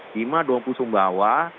cima dompu sumbawa